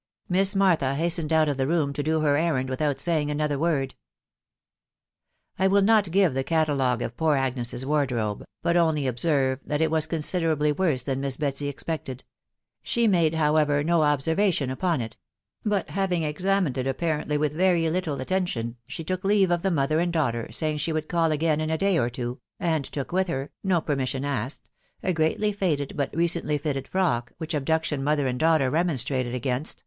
Miss Martha hastened out of the room to do her errand without saying another word. I will not give the catalogue of poor Agnes's wardrobe, but only observe that it was considerably worse than Miss Betsy expected; she made, however, no observation upon it; but having examined it apparently with very little attention, she took leave of the mother and daughter) wr\xi£ ^aa ^w&k «S\ again in a day or two, and took mtta Yvet (jwo ^temsmbm^ asked) a greatly faded, but recently fitted bo&* ^»^* d 3 M THE WIDOW BURNABT. duction mother and daughter remonstrated .against